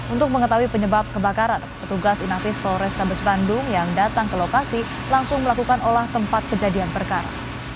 untuk mengetahui penyebab kebakaran petugas inafis polrestabes bandung yang datang ke lokasi langsung melakukan olah tempat kejadian perkara